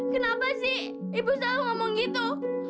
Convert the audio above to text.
kenapa sih ibu selalu ngomong gitu